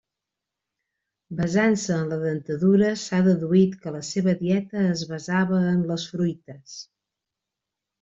Basant-se en la dentadura s'ha deduït que la seva dieta es basava en les fruites.